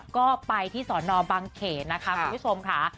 ก็ไปที่สอนอบังเขนนะคะคุณผู้ชมค่ะ